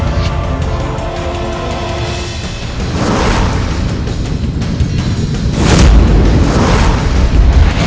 aduh ini teruk